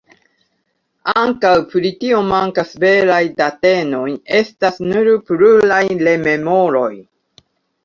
Ankaŭ pri tio mankas veraj datenoj, estas nur pluraj rememoroj.